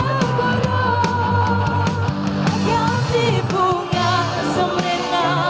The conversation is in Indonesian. agam di bunga semrena